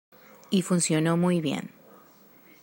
Y funcionó muy bien.